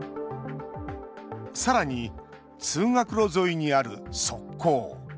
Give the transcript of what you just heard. さらに通学路沿いにある側溝。